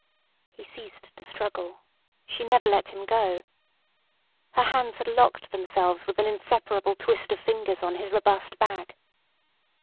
He ceased to struggle; she never let him go. Her hands had locked themselves with an inseparable twist of fingers on his robust back.